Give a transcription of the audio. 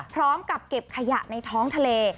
พร้อมกับเก็บขยะในท้องทะเล